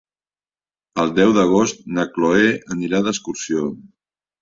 El deu d'agost na Chloé anirà d'excursió.